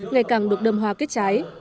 ngày càng được đâm hòa kết trái